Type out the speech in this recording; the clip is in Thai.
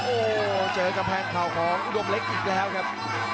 โอ้โหเจอกำแพงเข่าของอุดมเล็กอีกแล้วครับ